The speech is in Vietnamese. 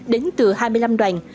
đến từ hai mươi năm đoàn